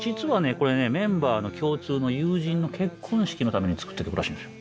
これねメンバーの共通の友人の結婚式のために作った曲らしいんですよ。